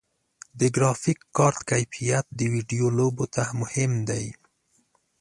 د ګرافیک کارت کیفیت د ویډیو لوبو ته مهم دی.